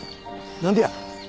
何でや？